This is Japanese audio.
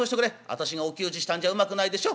「私がお給仕したんじゃうまくないでしょ。